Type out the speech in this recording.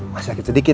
masih sakit sedikit